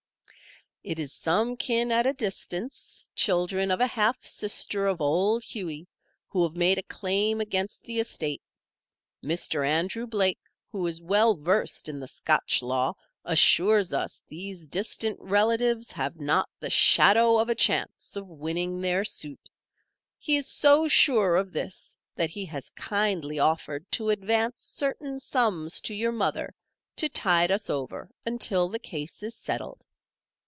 "It is some kin at a distance, children of a half sister of Old Hughie, who have made a claim against the estate. Mr. Andrew Blake, who is well versed in the Scotch law, assures us these distant relatives have not the shadow of a chance of winning their suit. He is so sure of this that he has kindly offered to advance certain sums to your mother to tide us over until the case is settled.